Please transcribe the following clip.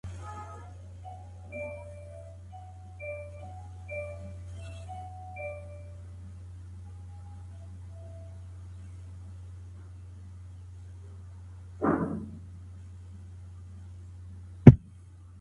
د بهرني سیاست په تګلارو کي بشري حقونه نه منعکس کیږي.